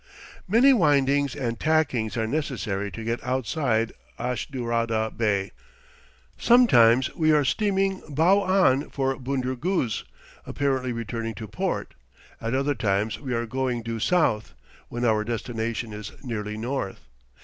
Many windings and tackings are necessary to get outside Ashdurada Bay; sometimes we are steaming bow on for Bunder Guz, apparently returning to port; at other times we are going due south, when our destination is nearly north.